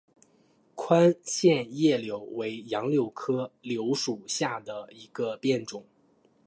宽线叶柳为杨柳科柳属下的一个变种。